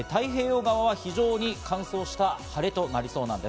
太平洋側は非常に乾燥した晴れとなりそうなんです。